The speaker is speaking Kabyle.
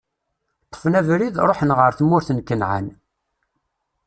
Ṭṭfen abrid, ṛuḥen ɣer tmurt n Kanɛan.